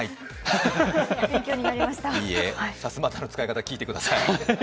さすまたの使い方、聞いてください